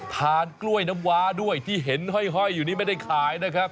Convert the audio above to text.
กล้วยน้ำว้าด้วยที่เห็นห้อยอยู่นี่ไม่ได้ขายนะครับ